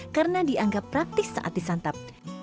karena dianggap praktis saat disantap